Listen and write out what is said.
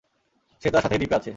সে তার সাথেই দ্বীপে আছে।